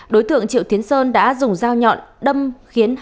đối tượng triệu tiến sơn đã dùng dao nhọn đâm khiến hai thanh niên bị giết